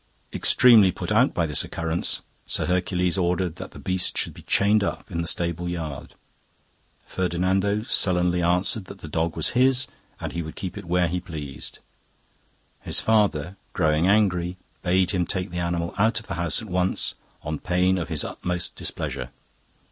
Extremely put out by this occurrence, Sir Hercules ordered that the beast should be chained up in the stable yard. Ferdinando sullenly answered that the dog was his, and he would keep it where he pleased. His father, growing angry, bade him take the animal out of the house at once, on pain of his utmost displeasure.